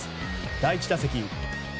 第１打席。